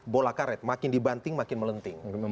bola karet makin dibanting makin melenting